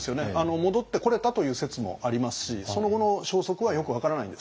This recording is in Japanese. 戻ってこれたという説もありますしその後の消息はよく分からないんです。